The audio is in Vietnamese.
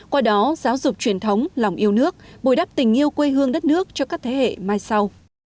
qua đó giáo dục truyền thống lòng yêu nước bồi đắp tình yêu quê hương đất nước cho các thế hệ mai sau